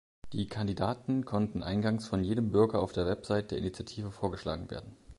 Die Kandidaten konnten eingangs von jedem Bürger auf der Website der Initiative vorgeschlagen werden.